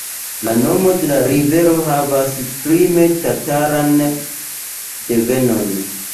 La nomo de la rivero havas krime-tataran devenon.